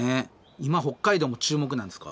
今北海道も注目なんですか？